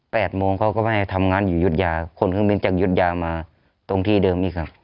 ปาดโมงเขาก็มาให้ทำงานอยู่ยุฒิยาคลนนี้จากยุฒิยามาตรงที่เดิมนี้ค่ะ